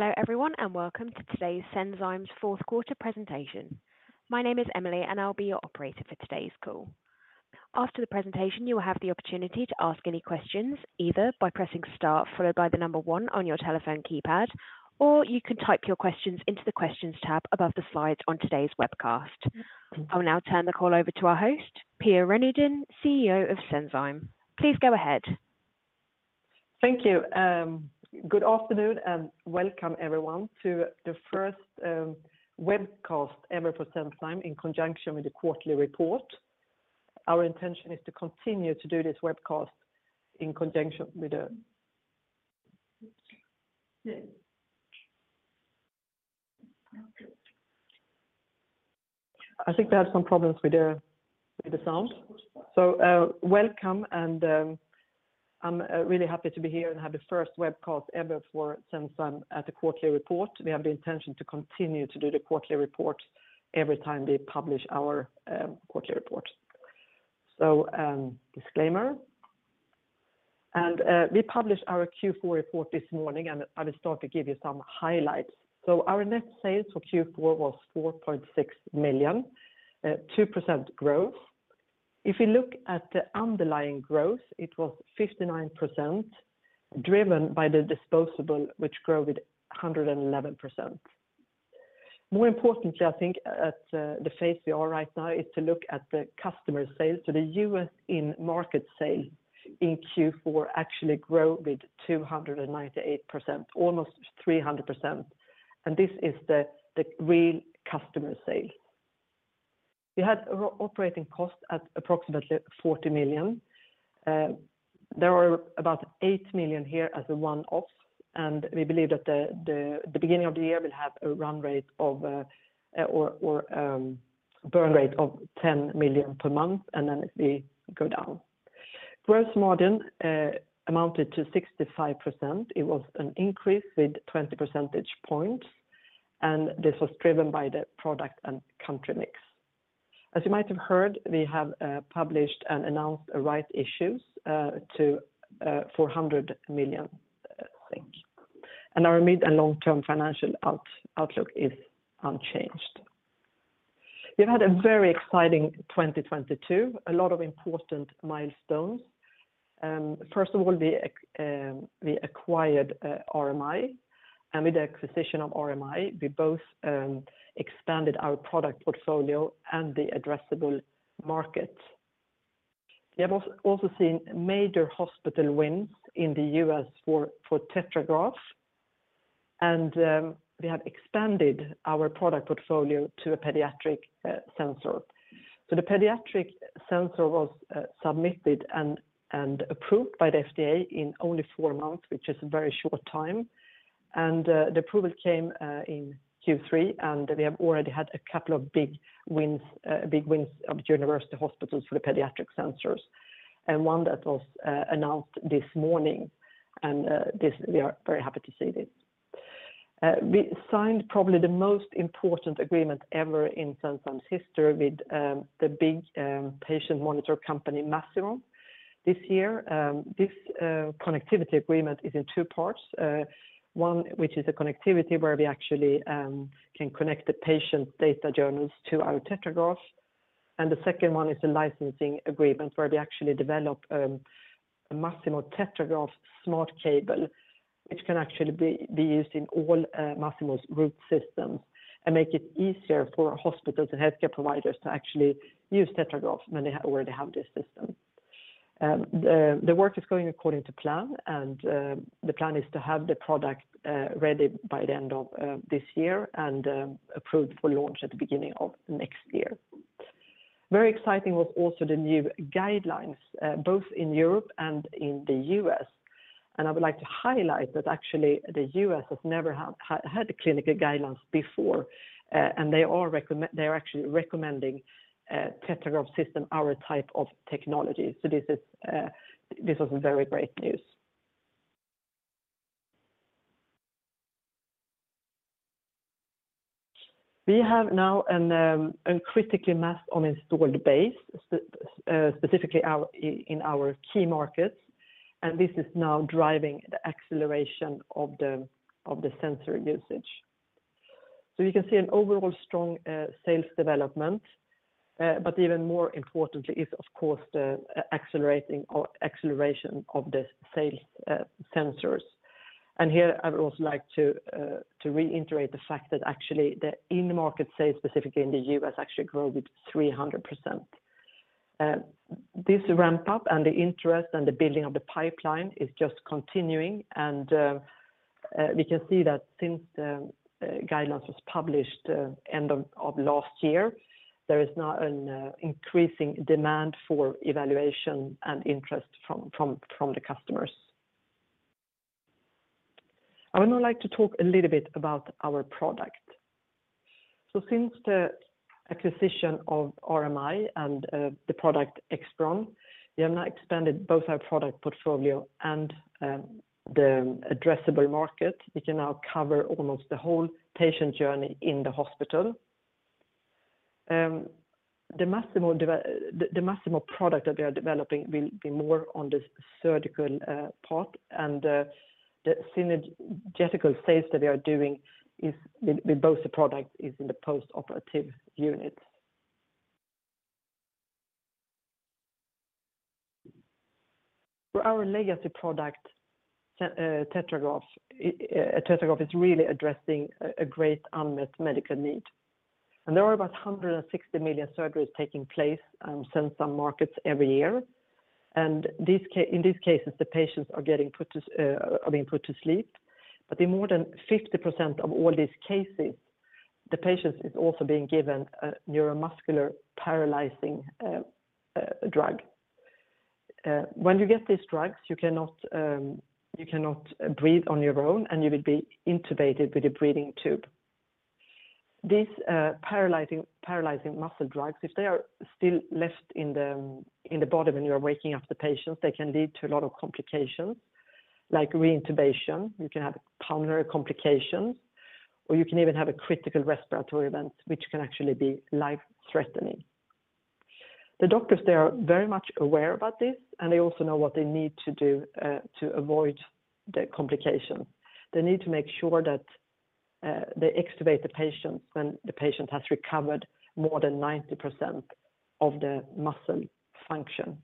Hello everyone, welcome to today's Senzime's fourth quarter presentation. My name is Emily, and I'll be your operator for today's call. After the presentation, you will have the opportunity to ask any questions, either by pressing star followed by one on your telephone keypad, or you can type your questions into the Questions tab above the slides on today's webcast. I will now turn the call over to our host, Pia Renaudin, CEO of Senzime. Please go ahead. Thank you. Good afternoon, and welcome everyone to the first webcast ever for Senzime in conjunction with the quarterly report. Our intention is to continue to do this webcast in conjunction with the... I think they have some problems with the, with the sound. Welcome, and I'm really happy to be here and have the first webcast ever for Senzime at the quarterly report. We have the intention to continue to do the quarterly report every time we publish our quarterly report. Disclaimer. We published our Q4 report this morning, and I will start to give you some highlights. Our net sales for Q4 was 4.6 million, 2% growth. If you look at the underlying growth, it was 59%, driven by the disposable which grew with 111%. More importantly, I think at the phase we are right now is to look at the customer sales. The U.S. in market sale in Q4 actually grew with 298%, almost 300%. This is the real customer sale. We had operating costs at approximately 40 million. There are about 8 million here as a one-off, we believe that the beginning of the year will have a run-rate of or burn-rate of 10 million per month, it will go down. Gross margin amounted to 65%. It was an increase with 20 percentage points, this was driven by the product and country mix. As you might have heard, we have published and announced rights issues to 400 million. Our mid and long-term financial outlook is unchanged. We've had a very exciting 2022, a lot of important milestones. First of all, we acquired RMI, and with the acquisition of RMI, we both expanded our product portfolio and the addressable market. We have also seen major hospital wins in the U.S. for TetraGraph. We have expanded our product portfolio to a pediatric sensor. The pediatric sensor was submitted and approved by the FDA in only four months, which is a very short time. The approval came in Q3, and we have already had a couple of big wins of university hospitals for the pediatric sensors. One that was announced this morning, and this, we are very happy to see this. We signed probably the most important agreement ever in Senzime's history with the big patient monitor company, Masimo, this year. This connectivity agreement is in two parts. One, which is a connectivity where we actually can connect the patient data journals to our TetraGraph. The second one is a licensing agreement where we actually develop a Masimo TetraGraph Smart Cable, which can actually be used in all Masimo's root systems and make it easier for hospitals and healthcare providers to actually use TetraGraph when they have this system. The work is going according to plan, and the plan is to have the product ready by the end of this year and approved for launch at the beginning of next year. Very exciting was also the new guidelines, both in Europe and in the U.S. I would like to highlight that actually the U.S. has never had clinical guidelines before, and they're actually recommending TetraGraph system, our type of technology. This is, this was very great news. We have now a critically mass on installed base, specifically our in our key markets, and this is now driving the acceleration of the sensor usage. You can see an overall strong, sales development, but even more importantly is of course the acceleration of the sales, sensors. Here I would also like to reiterate the fact that actually the in-market sales specifically in the U.S. actually grew with 300%. This ramp up and the interest and the building of the pipeline is just continuing and we can see that since the guidelines was published end of last year, there is now an increasing demand for evaluation and interest from the customers. I would now like to talk a little bit about our product. Since the acquisition of RMI and the product ExSpiron, we have now expanded both our product portfolio and the addressable market. We can now cover almost the whole patient journey in the hospital. The Masimo product that they are developing will be more on the surgical part and the synergetical stage that they are doing is with both the products is in the postoperative unit. For our legacy product, TetraGraph is really addressing a great unmet medical need. There are about 160 million surgeries taking place since some markets every year. In these cases, the patients are being put to sleep. In more than 50% of all these cases, the patients is also being given a neuromuscular paralyzing drug. When you get these drugs, you cannot breathe on your own and you will be intubated with a breathing tube. These paralyzing muscle drugs, if they are still left in the body when you are waking up the patients, they can lead to a lot of complications like re-intubation. You can have pulmonary complications, or you can even have a critical respiratory event, which can actually be life-threatening. The doctors, they are very much aware about this, and they also know what they need to do to avoid the complication. They need to make sure that they extubate the patients when the patient has recovered more than 90% of the muscle function.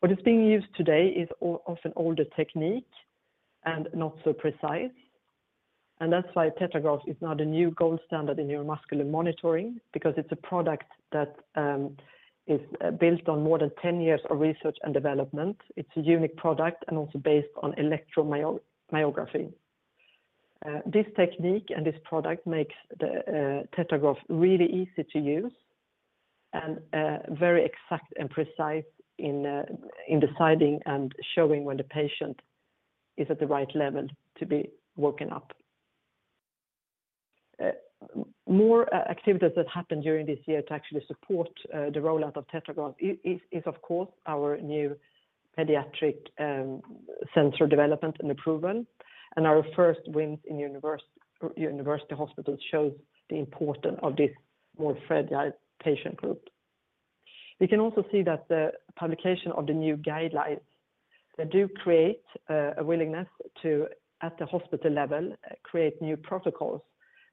What is being used today is often older technique and not so precise, and that's why TetraGraph is now the new gold standard in neuromuscular monitoring because it's a product that is built on more than 10 years of research and development. It's a unique product and also based on electromyography. This technique and this product makes the TetraGraph really easy to use and very exact and precise in deciding and showing when the patient is at the right level to be woken up. More activities that happened during this year to actually support the rollout of TetraGraph is of course our new pediatric sensor development and approval and our first wins in university hospitals shows the importance of this more fragile patient group. We can also see that the publication of the new guidelines, they do create a willingness to, at the hospital level, create new protocols,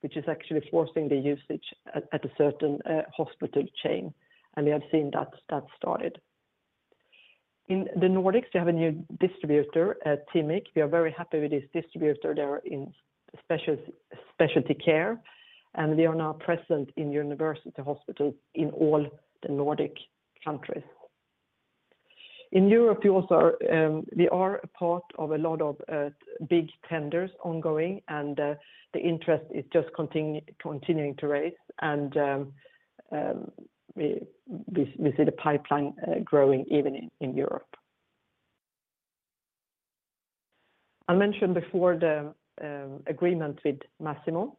which is actually forcing the usage at a certain hospital chain, and we have seen that started. In the Nordics, we have a new distributor at TIMIK. We are very happy with this distributor. They are in specialty care. We are now present in university hospitals in all the Nordic countries. In Europe, we also are, we are a part of a lot of big tenders ongoing. The interest is just continuing to raise. We see the pipeline growing even in Europe. I mentioned before the agreement with Masimo.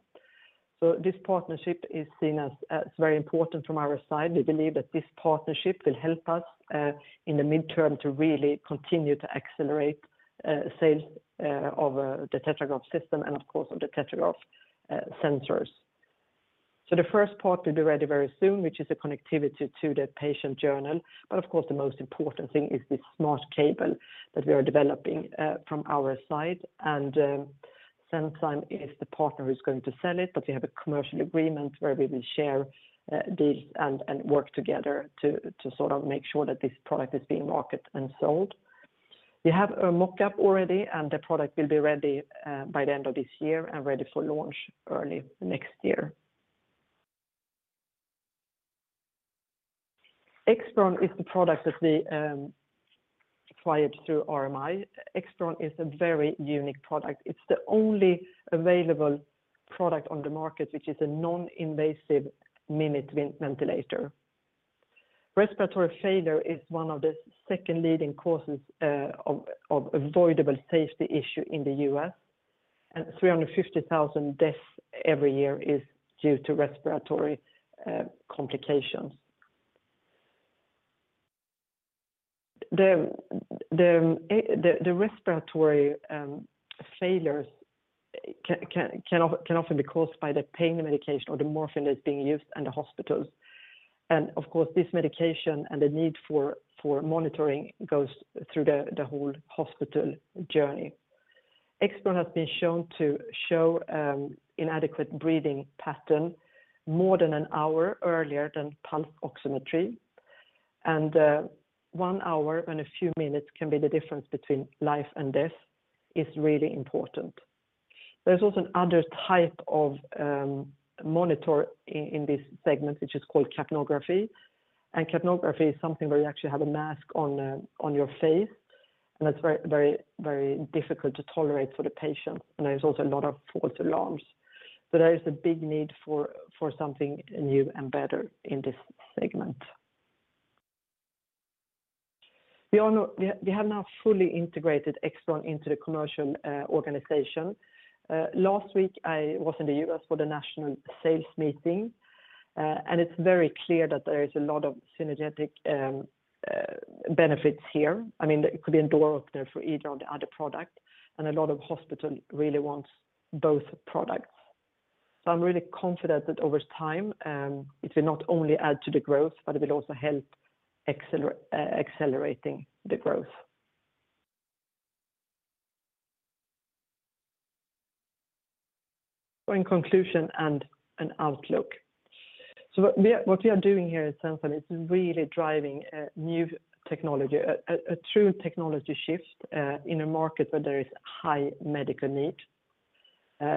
This partnership is seen as very important from our side. We believe that this partnership will help us in the midterm to really continue to accelerate sales of the TetraGraph system and of course of the TetraGraph sensors. The first part will be ready very soon, which is a connectivity to the patient journal. Of course, the most important thing is this smart cable that we are developing, from our side. Senzime is the partner who's going to sell it, but we have a commercial agreement where we will share, this and work together to sort of make sure that this product is being marketed and sold. We have a mock-up already, and the product will be ready by the end of this year and ready for launch early next year. ExSpiron is the product that we acquired through RMI. ExSpiron is a very unique product. It's the only available product on the market, which is a non-invasive minute ventilator. Respiratory failure is one of the second leading causes of avoidable safety issue in the U.S., and 350,000 deaths every year is due to respiratory complications. The respiratory failures can often be caused by the pain medication or the morphine that's being used in the hospitals. Of course, this medication and the need for monitoring goes through the whole hospital journey. ExSpiron has been shown to show inadequate breathing pattern more than one hour earlier than pulse oximetry. One hour and a few minutes can be the difference between life and death. It's really important. There's also another type of monitor in this segment, which is called capnography. Capnography is something where you actually have a mask on your face, and that's very, very difficult to tolerate for the patient, and there's also a lot of false alarms. There is a big need for something new and better in this segment. We have now fully integrated ExSpiron into the commercial organization. Last week, I was in the U.S. for the national sales meeting, it's very clear that there is a lot of synergetic Benefits here. I mean, it could be a door opener for either of the other product, and a lot of hospital really wants both products. I'm really confident that over time, it will not only add to the growth, but it will also help accelerate accelerating the growth. In conclusion and an outlook. What we are doing here at Senzime is really driving a new technology, a true technology shift, in a market where there is high medical need.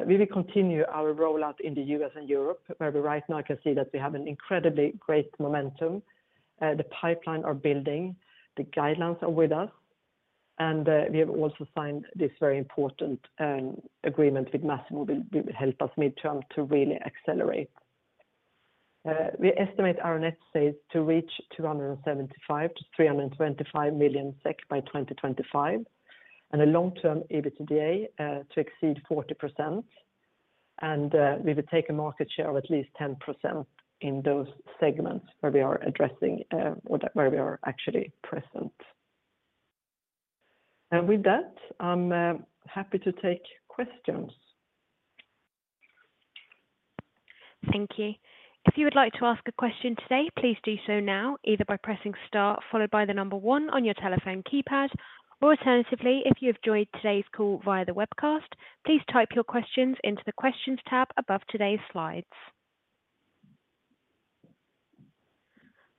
We will continue our rollout in the U.S. and Europe, where we right now can see that we have an incredibly great momentum. The pipeline are building, the guidelines are with us, we have also signed this very important agreement with Masimo will help us midterm to really accelerate. We estimate our net sales to reach 275 million-325 million SEK by 2025 and a long-term EBITDA to exceed 40%. We will take a market share of at least 10% in those segments where we are addressing or where we are actually present. With that, I'm happy to take questions. Thank you. If you would like to ask a question today, please do so now, either by pressing star followed by the number one on your telephone keypad, or alternatively, if you have joined today's call via the webcast, please type your questions into the Questions tab above today's slides.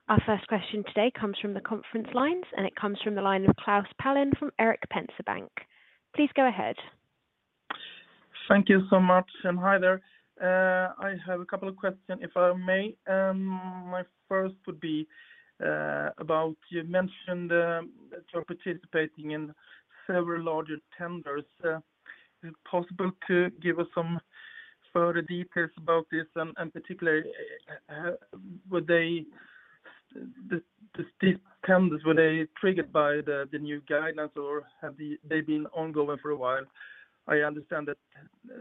Our first question today comes from the conference lines. It comes from the line of Klas Palin from Erik Penser Bank. Please go ahead. Thank you so much. Hi there. I have a couple of questions, if I may. My first would be about you mentioned that you're participating in several larger tenders. Is it possible to give us some further details about this and, particularly, would the tenders, were they triggered by the new guidance or have they been ongoing for a while? I understand that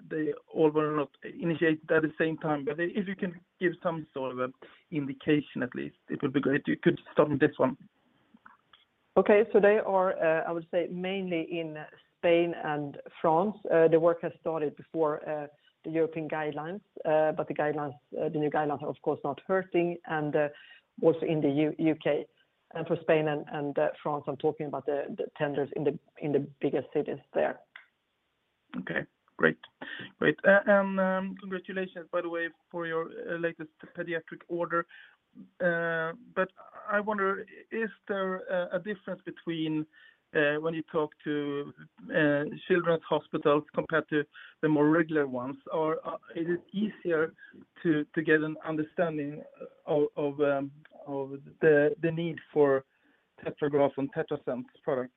they all were not initiated at the same time. If you can give some sort of indication at least, it would be great. You could start with this one. Okay. They are, I would say, mainly in Spain and France. The work has started before the European guidelines, but the guidelines, the new guidelines are of course not hurting and also in the U.K. For Spain and France, I'm talking about the tenders in the biggest cities there. Okay, great. Great. Congratulations, by the way, for your latest pediatric order. I wonder, is there a difference between when you talk to children's hospitals compared to the more regular ones, or is it easier to get an understanding of the need for TetraGraph and TetraSens products?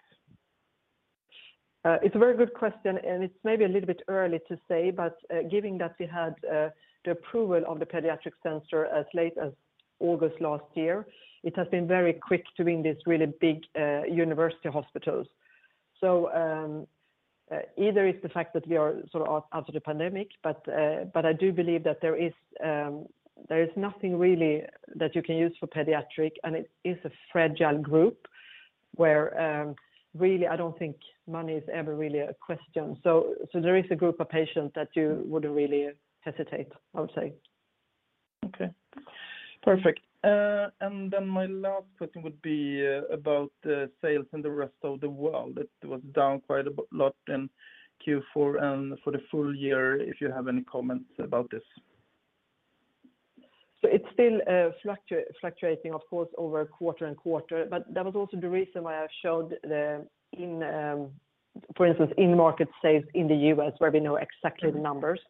It's a very good question, and it's maybe a little bit early to say, but given that we had the approval of the TetraSens Pediatric as late as August last year, it has been very quick to win these really big university hospitals. Either it's the fact that we are sort of out of the pandemic, but I do believe that there is nothing really that you can use for pediatric, and it is a fragile group where really, I don't think money is ever really a question. There is a group of patients that you wouldn't really hesitate, I would say. Okay, perfect. My last question would be about the sales in the rest of the world. It was down quite a lot in Q4 and for the full year, if you have any comments about this. It's still fluctuating, of course, over quarter-over-quarter. That was also the reason why I showed the, for instance, in-market sales in the U.S. where we know exactly the numbers.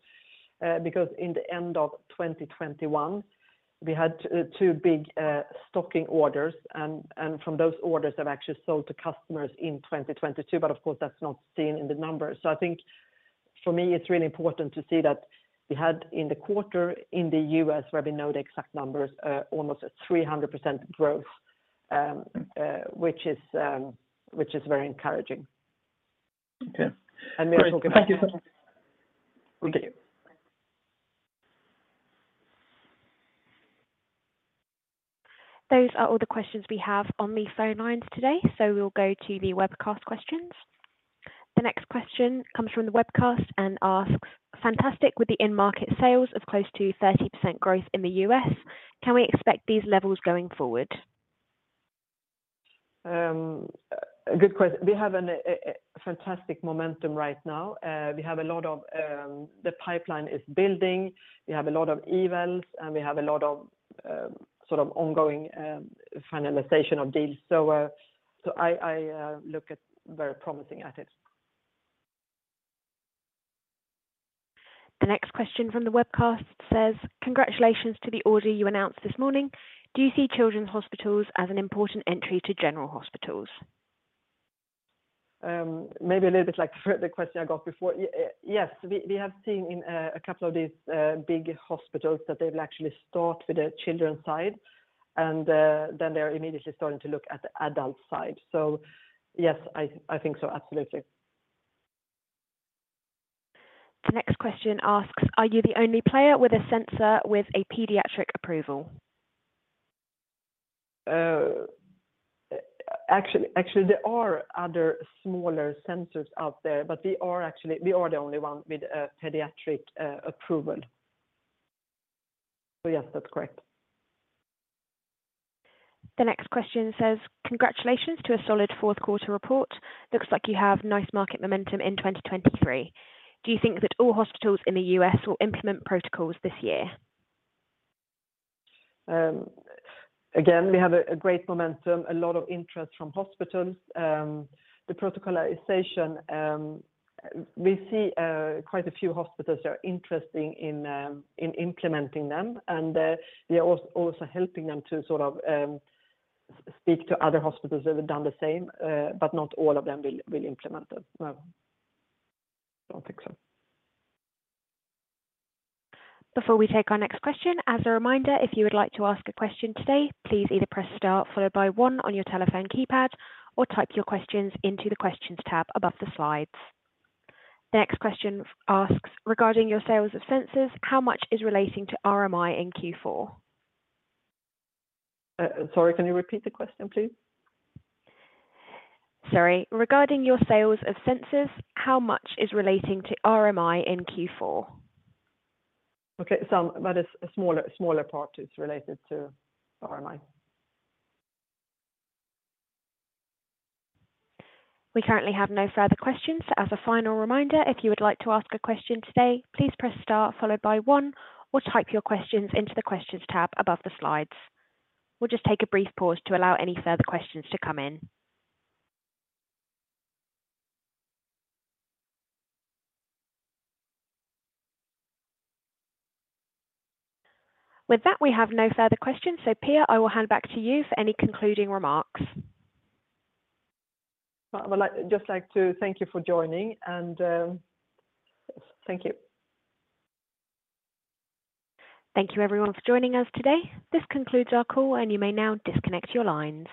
Because in the end of 2021, we had two big stocking orders, and from those orders have actually sold to customers in 2022. Of course, that's not seen in the numbers. I think for me, it's really important to see that we had in the quarter in the U.S. where we know the exact numbers, almost a 300% growth, which is very encouraging. Okay. We will talk about it. Thank you. Thank you. Those are all the questions we have on the phone lines today. We'll go to the webcast questions. The next question comes from the webcast and asks, fantastic with the in-market sales of close to 30% growth in the U.S., can we expect these levels going forward? Good question. We have a fantastic momentum right now. We have a lot of, the pipeline is building. We have a lot of events, and we have a lot of, sort of ongoing, finalization of deals. I look at very promising at it. The next question from the webcast says, congratulations to the order you announced this morning. Do you see children's hospitals as an important entry to general hospitals? Maybe a little bit like the question I got before. Yes. We have seen in a couple of these big hospitals that they will actually start with the children's side, and then they're immediately starting to look at the adult side. Yes, I think so. Absolutely. The next question asks, are you the only player with a sensor with a pediatric approval? actually, there are other smaller sensors out there. We are the only one with a pediatric approval. Yes, that's correct. The next question says, congratulations to a solid fourth quarter report. Looks like you have nice market momentum in 2023. Do you think that all hospitals in the U.S. will implement protocols this year? Again, we have a great momentum, a lot of interest from hospitals. The protocolization, we see quite a few hospitals are interesting in implementing them, and we are also helping them to sort of speak to other hospitals that have done the same. Not all of them will implement them. No. I don't think so. Before we take our next question, as a reminder, if you would like to ask a question today, please either press star followed by one on your telephone keypad, or type your questions into the Questions tab above the slides. Next question asks, regarding your sales of sensors, how much is relating to RMI in Q4? sorry, can you repeat the question, please? Sorry. Regarding your sales of sensors, how much is relating to RMI in Q4? Okay. Some. A smaller part is related to RMI. We currently have no further questions. As a final reminder, if you would like to ask a question today, please press star followed by one, or type your questions into the Questions tab above the slides. We'll just take a brief pause to allow any further questions to come in. With that, we have no further questions. Pia, I will hand back to you for any concluding remarks. Well, just like to thank you for joining, and yes. Thank you. Thank you, everyone, for joining us today. This concludes our call. You may now disconnect your lines.